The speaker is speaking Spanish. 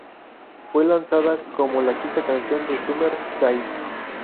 Fue lanzada como la quinta canción de Summer Days.